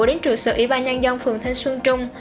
đến trụ sở ủy ban nhân dân phường thanh xuân trung